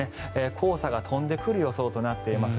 黄砂が飛んでくる予想となっています。